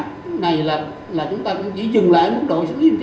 cái này là chúng ta cũng chỉ dừng lại một đội xử lý chính thôi